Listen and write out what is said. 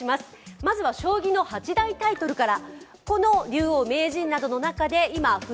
まずは将棋の８大タイトルから。